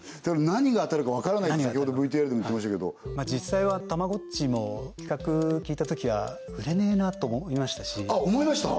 何が当たるかわからないって先ほどＶＴＲでも言ってましたけど実際はたまごっちも企画聞いたときは売れねえなと思いましたしあっ思いました？